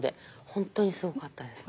本当にすごかったです。